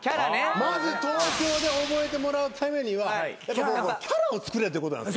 まず東京で覚えてもらうためにはキャラを作れってことなんです。